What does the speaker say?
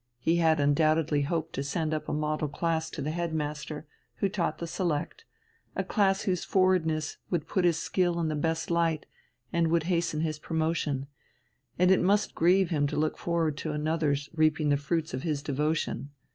He had undoubtedly hoped to send up a model class to the head master, who taught the Select, a class whose forwardness would put his skill in the best light and would hasten his promotion; and it must grieve him to look forward to another's reaping the fruits of his devotion.